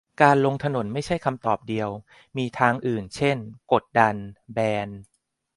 การลงถนนไม่ใช่คำตอบเดียว มีทางอื่นเช่น กดดัน แบน